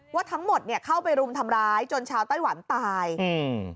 ว่าทั้งหมดเนี้ยเข้าไปรุมทำร้ายจนชาวไต้หวันตายอืม